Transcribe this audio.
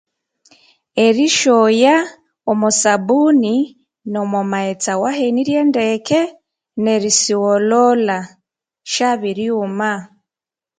Erisyoya omwa sabuni, nomo maghetse awahenirye ndeke, nerisigholholha syabiryuma.